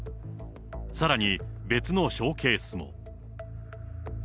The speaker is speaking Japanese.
さらに別のショーケースも。